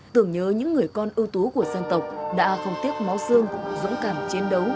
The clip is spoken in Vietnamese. tưởng nhớ những người con ưu tú của dân tộc đã không tiếc máu xương dũng cảm chiến đấu